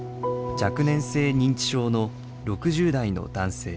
若年性認知症の６０代の男性。